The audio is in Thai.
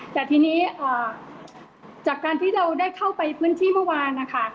แต่ทีนี้จากการที่เราได้เข้าไปพื้นที่เมื่อวานนะคะ